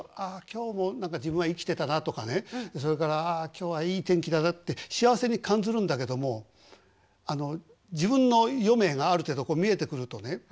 あ今日も自分は生きてたなとかねそれからあ今日はいい天気だなって幸せに感ずるんだけども自分の余命がある程度見えてくるとね